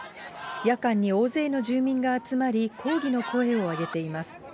夜間に大勢の住民が集まり、抗議の声を上げています。